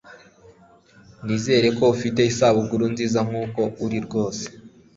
Nizere ko ufite isabukuru nziza nkuko uri rwose